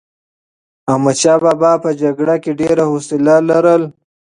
احمدشاه بابا په جګړه کې ډېر حوصله لرله.